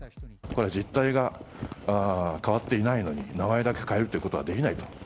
実態が変わっていないのに、名前だけ変えるってことはできないと。